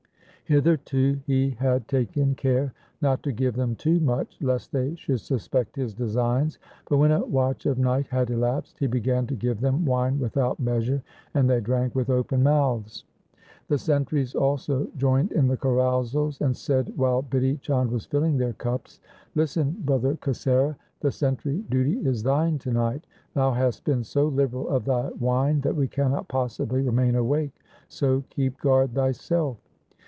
Hitherto he had taken care not to give them too much lest they should suspect his designs ; but, when a watch of night had elapsed, he began to give them wine without measure, and they drank with open mouths. The sentries also joined in the carousals and said while Bidhi Chand was filling their cups, ' Listen, brother 1 Spirits were then much cheaper in India than they are now. 168 THE SIKH RELIGION Kasera, the sentry duty is thine to night. Thou hast been so liberal of thy wine, that we cannot possibly remain awake, so keep guard thyself.'